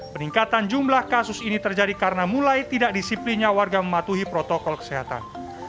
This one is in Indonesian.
peningkatan jumlah kasus ini terjadi karena mulai tidak disiplinnya warga mematuhi protokol kesehatan